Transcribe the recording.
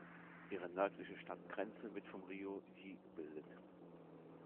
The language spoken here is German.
Ihre nördliche Stadtgrenze wird vom Río Yí gebildet.